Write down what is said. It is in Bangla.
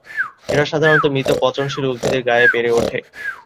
এরা সাধারণত মৃত পচনশীল উদ্ভিদের গায়ে বেড়ে ওঠে।